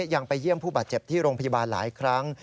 ยังไปเยี่ยมผู้บาดเจ็บที่โรงพยาบาลหลายครั้ง